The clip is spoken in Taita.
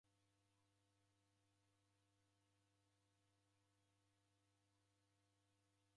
Kizenya chadachuria bagha